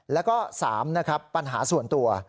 แล้วก็๓ปัญหาส่วนตัว